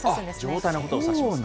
状態のことを指します。